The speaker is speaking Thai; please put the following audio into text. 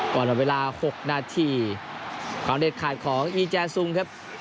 ก่อนเวลา๖นาทีความเด็ดขาดของอีแจซุงครับ